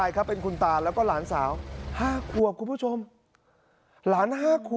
อยู่ใต้ท้องรถเลย